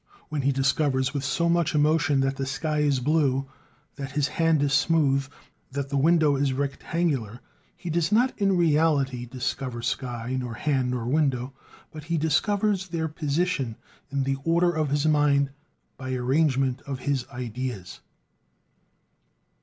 When he discovers with so much emotion that the sky is blue, that his hand is smooth, that the window is rectangular, he does not in reality discover sky, nor hand, nor window, but he discovers their position in the order of his mind by arrangement of his ideas.